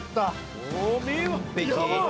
完璧！